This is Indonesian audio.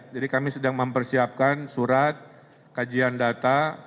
jadi kami sedang mempersiapkan surat kajian data